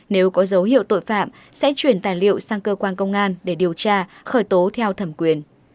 nếu có dấu hiệu tội phạm sẽ chuyển tài liệu sang cơ quan công an để điều tra khởi tố theo thẩm quyền